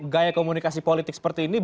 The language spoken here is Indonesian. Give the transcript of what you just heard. gaya komunikasi politik seperti ini